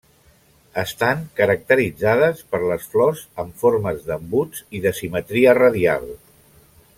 Estan caracteritzades per les flors amb forma d'embuts i de simetria radial.